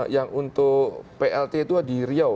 yang untuk plt itu di riau